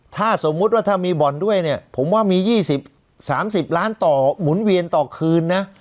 ถ้าสมมุติว่าถ้ามีบ่อนด้วยเนี่ยผมว่ามี๒๐๓๐ล้านต่อหมุนเวียนต่อคืนนะ